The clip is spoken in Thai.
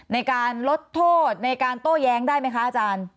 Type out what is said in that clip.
ในการลดโทษในการโต้แย้งได้ไหมคะอาจารย์